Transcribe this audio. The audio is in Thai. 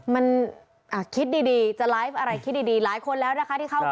มันคิดดีจะไลฟ์อะไรคิดดีหลายคนแล้วนะคะที่เข้ามา